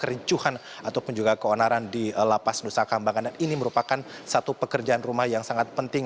kericuhan ataupun juga keonaran di lapas nusa kambangan dan ini merupakan satu pekerjaan rumah yang sangat penting